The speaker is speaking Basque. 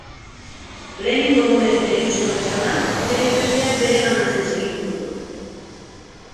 Lehenengo egunetik egin zuen bezala, bere ikasleak bereganatzen segituko du.